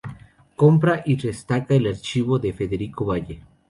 Compra y rescata el archivo de Federico Valle.